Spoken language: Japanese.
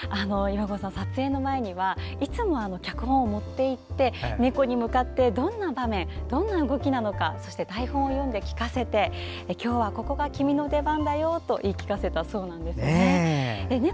岩合さん、撮影の前にはいつも脚本を持っていって猫に向かってどんな場面、どんな動きなのか台本を読んで聞かせて今日はここが君の出番だよと言い聞かせたそうなんですね。